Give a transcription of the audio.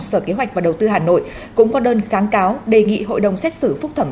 sở kế hoạch và đầu tư hà nội cũng có đơn kháng cáo đề nghị hội đồng xét xử phúc thẩm